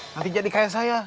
nanti jadi kayak saya